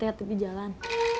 iya hati hati pergi jalan